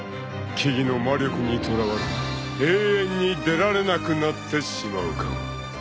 ［木々の魔力にとらわれ永遠に出られなくなってしまうか］